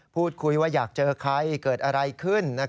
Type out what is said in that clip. พูดคุยว่าอยากเจอใครเกิดอะไรขึ้น